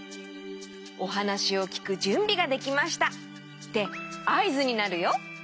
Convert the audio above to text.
おはなしをきくじゅんびができましたってあいずになるよ。